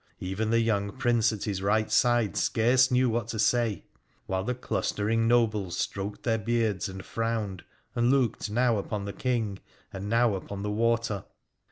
Even the young Prince at his right side scarce knew what to say ; while the clustering nobles stroked their beards and frowned, and looked now upon the King and now upon the water.